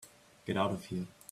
Get out of here.